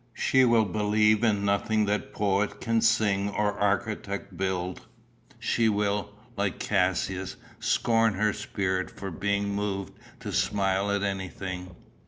She will believe in nothing that poet can sing or architect build. She will, like Cassius, scorn her spirit for being moved to smile at anything."